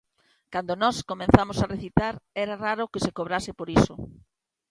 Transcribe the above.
Cando nós comezamos a recitar era raro que se cobrase por iso.